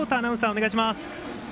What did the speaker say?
お願いします。